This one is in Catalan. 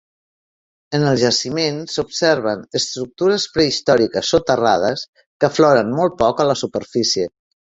En el jaciment s'observen estructures prehistòriques soterrades que afloren molt poc a la superfície.